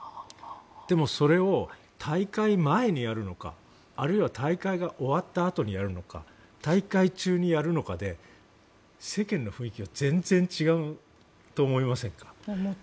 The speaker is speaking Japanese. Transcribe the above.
でも、それを大会前にやるのかあるいは大会が終わったあとにやるのか大会中にやるのかで世間の雰囲気が全然違うと思いませんか？